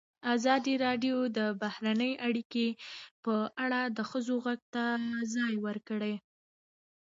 ازادي راډیو د بهرنۍ اړیکې په اړه د ښځو غږ ته ځای ورکړی.